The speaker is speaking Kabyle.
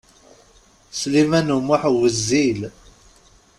Sliman U Muḥ wezzil.